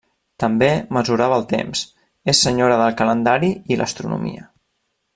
També mesurava el temps, és Senyora del Calendari i l'Astronomia.